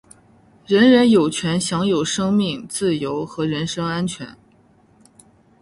人人有权享有生命、自由和人身安全。